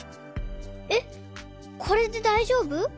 えっこれでだいじょうぶ？